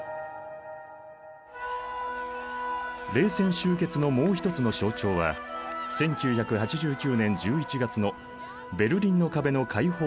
冷戦終結のもう一つの象徴は１９８９年１１月のベルリンの壁の開放だった。